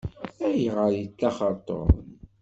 Ayɣer i yeṭṭaxxer Tom?